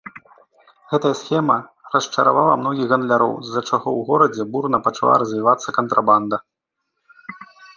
Гэтая схема расчаравала многіх гандляроў, з-за чаго ў горадзе бурна пачала развівацца кантрабанда.